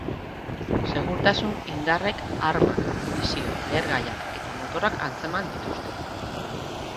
Segurtasun indarrek armak, munizioa, lehergaiak, eta motorrak atzeman dituzte.